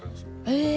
へえ！